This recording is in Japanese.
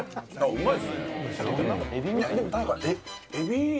うまい！